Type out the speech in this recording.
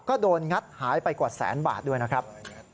ก็โดนงัดหายไปกว่าแสนบาทด้วยนะครับ